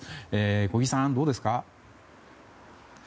小木さん、どうですか？